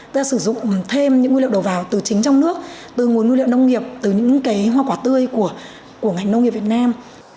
ta sử dụng thêm những nguyên liệu đầu vào từ chính trong nước từ nguồn nguyên liệu nông nghiệp từ những cái hoa quả tươi của ngành nông nghiệp việt nam